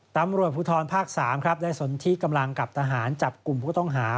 ตำรวจภูทรภาค๓ครับได้สนที่กำลังกับทหารจับกลุ่มผู้ต้องหา